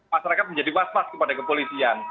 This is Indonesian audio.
masyarakat menjadi waspas kepada kepolisian